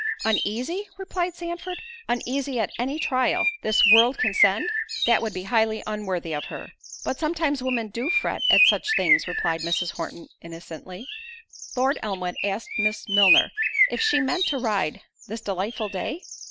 "Uneasy!" replied Sandford, "uneasy at any trial this world can send? That would be highly unworthy of her." "But sometimes women do fret at such things:" replied Mrs. Horton, innocently. Lord Elmwood asked Miss Milner—"If she meant to ride, this delightful day?"